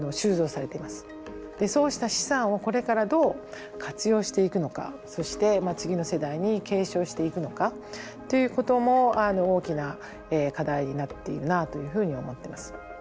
そうした資産をこれからどう活用していくのかそして次の世代に継承していくのかということも大きな課題になっているなというふうに思ってます。